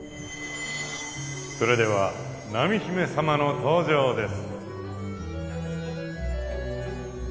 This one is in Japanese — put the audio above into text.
それでは南美姫さまの登場です